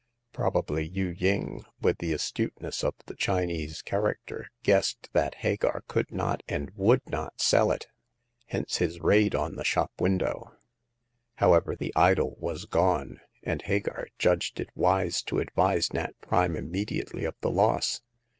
Probably Yu ying, with the astuteness of the Chinese character, guessed that Hagar 94 Hagar of the Pawn Shop. could not and would not sell it ; hence his raid on the shop window. However, the idol was gone, and Hagar judged it wise to advise Nat Prime immediately of the loss.